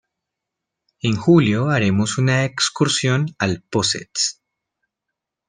En julio haremos una excursión al Possets.